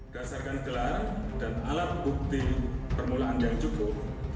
berdasarkan kelar dan alat bukti permulaan yang cukup